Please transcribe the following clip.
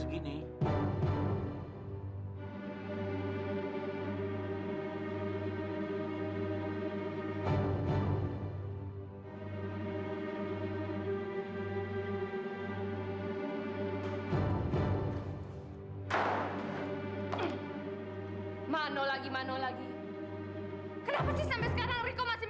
terima kasih mas